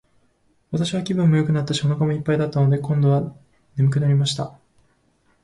私は気分もよくなったし、お腹も一ぱいだったので、今度は睡くなりました。